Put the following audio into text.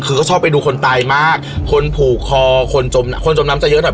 คือเขาชอบไปดูคนตายมากคนผูกคอคนจมคนจมน้ำจะเยอะหน่อย